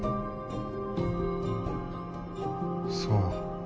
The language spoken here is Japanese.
そう。